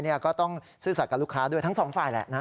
ก็ต้องซื่อสัตว์กับลูกค้าด้วยทั้งสองฝ่ายแหละนะ